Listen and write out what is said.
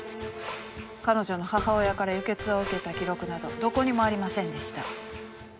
彼女の母親から輸血を受けた記録などどこにもありませんでした。